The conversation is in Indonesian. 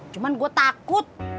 cuman gua takut